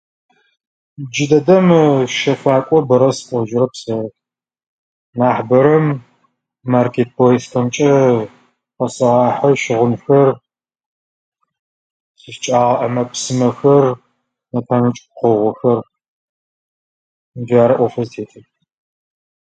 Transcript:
Джыдэдэм щэфакӏо бэрэ сыкӏожьырэп сэ. Нахьыбэрэм маркетпойстэмкӏэ къэсэгъэхьы щыгъынхэр, сищкӏагъэ ӏэмэпсымэхэр, нэпэмыкӏ пкъугъэхэр. Джары ӏофэр зытетыр.